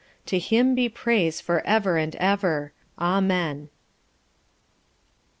To HIM be Praise for Ever and Ever, AMEN. FINIS.